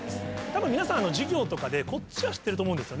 たぶん皆さん『授業』とかでこっちは知ってると思うんです。